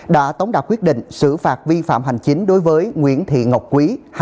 đã tống đạt quyết định xử phạt vi phạm hành chính đối với nguyễn thị ngọc quý